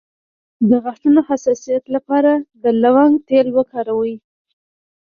د غاښونو د حساسیت لپاره د لونګ تېل وکاروئ